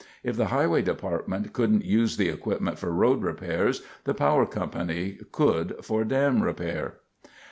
If the Highway Department couldn't use the equipment for road repairs, the Power Company could for dam repair.